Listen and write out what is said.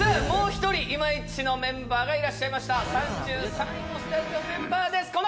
もう１人イマイチのメンバーがいらっしゃいました３３位もスタジオメンバーです